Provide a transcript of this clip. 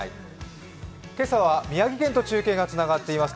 今朝は宮城県と中継がつながっています。